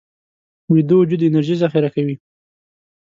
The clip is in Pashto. ویده وجود انرژي ذخیره کوي